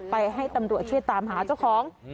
ให้ตำรวจช่วยตามหาเจ้าของ